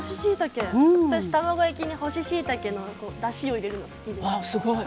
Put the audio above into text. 私、卵焼きに干ししいたけのだしを入れるのすごい！